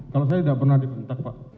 kalau saya tidak pernah dibentak pak